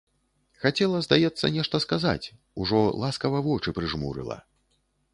Хацела, здаецца, нешта сказаць, ужо ласкава вочы прыжмурыла.